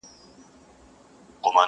غل نارې وهي چي غل دی غوغا ګډه ده په کلي!!